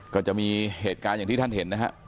ก็จะมีเหตุการณ์ที่ท่านเห็นนะครับ